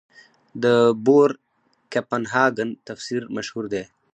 د بور کپنهاګن تفسیر مشهور دی.